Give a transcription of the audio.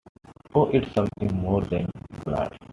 Oh, it’s something more than glad.